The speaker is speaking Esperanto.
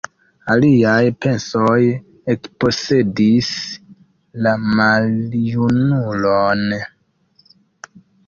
Aliaj pensoj ekposedis la maljunulon.